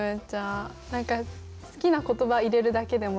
何か好きな言葉入れるだけでも駄目だしみたいな。